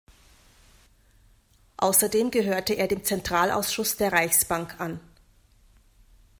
Außerdem gehörte er dem Zentralausschuss der Reichsbank an.